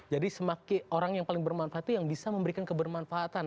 jadi semakin orang yang paling bermanfaat itu yang bisa memberikan kebermanfaatan